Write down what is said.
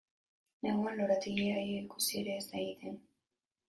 Neguan lorategia ia ikusi ere e da egiten.